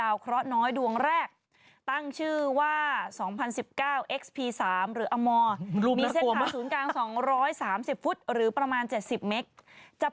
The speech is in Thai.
นางคิดแบบว่าไม่ไหวแล้วไปกด